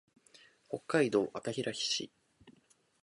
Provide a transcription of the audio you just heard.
北海道赤平市